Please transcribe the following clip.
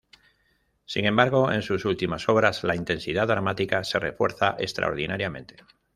Sin embargo, en sus últimas obras la intensidad dramática se refuerza extraordinariamente.